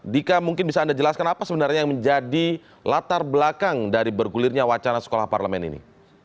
dika mungkin bisa anda jelaskan apa sebenarnya yang menjadi latar belakang dari bergulirnya wacana sekolah parlemen ini